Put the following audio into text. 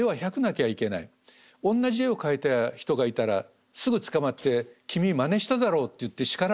同じ絵を描いた人がいたらすぐ捕まって君まねしただろうって言って叱られるわけですね。